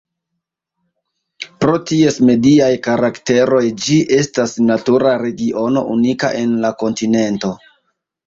Pro ties mediaj karakteroj ĝi estas natura regiono unika en la kontinento.